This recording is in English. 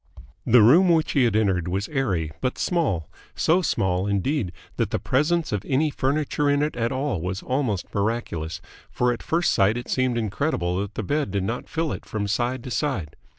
The room which he had entered was airy but small, so small, indeed, that the presence of any furniture in it at all was almost miraculous, for at first sight it seemed incredible that the bed did not fill it from side to side.